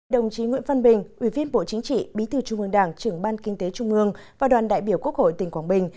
đồng chí nguyễn văn bình ủy viên bộ chính trị bí thư trung ương đảng trưởng ban kinh tế trung ương và đoàn đại biểu quốc hội tỉnh quảng bình